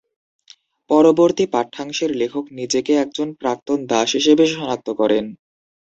পরবর্তী পাঠ্যাংশের লেখক নিজেকে একজন প্রাক্তন দাস হিসেবে শনাক্ত করেন।